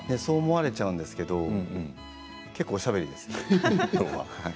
そう思われちゃうんですけど、結構おしゃべりです。